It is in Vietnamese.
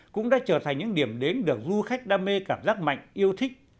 cũng đã trở thành những điểm đến được du khách đam mê cảm giác mạnh yêu thích